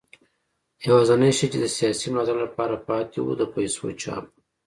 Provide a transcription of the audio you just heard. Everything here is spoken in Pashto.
یوازینی شی چې د سیاسي ملاتړ لپاره پاتې و د پیسو چاپ و.